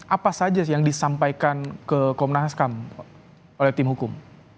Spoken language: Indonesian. apa saja yang disampaikan ke komnas ham oleh tim hukum